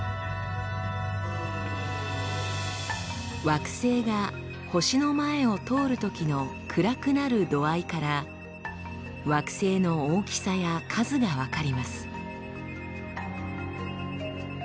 惑星が星の前を通るときの暗くなる度合いから惑星の大きさや数が分かります。